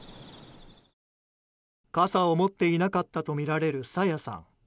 傘を持っていなかったとみられる朝芽さん。